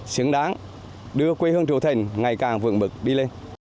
xứng đáng đưa quê hương triệu thành ngày càng vượng bực đi lên